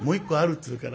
っつうから